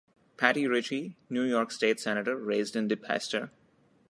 Patty Ritchie, New York State Senator - raised in DePeyster.